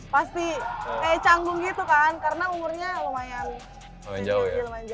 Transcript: pasti kayak canggung gitu kan karena umurnya lumayan jauh